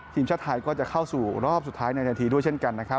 ทีมชาติไทยก็จะเข้าสู่รอบสุดท้ายในนาทีด้วยเช่นกันนะครับ